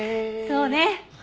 そうね。